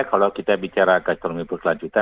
kalau kita bicara ekonomi berkelanjutan